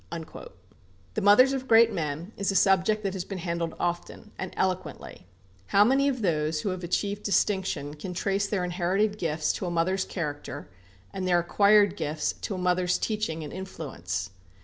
The mothers of great men is a subject that has been handled often, and eloquently. How many of those who have achieved distinction can trace their inherited gifts to a mother's character, and their acquired gifts to a mother's teaching and influence.